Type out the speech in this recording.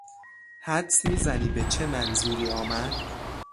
حدس میزنی به چه منظوری آمد؟